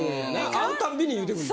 会うたびに言うてくんの？